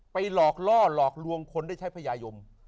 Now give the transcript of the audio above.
หลอกล่อหลอกลวงคนได้ใช้พญายม